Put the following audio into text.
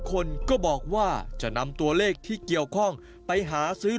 คนก็บอกว่าจะนำตัวเลขที่เกี่ยวข้องไปหาซื้อ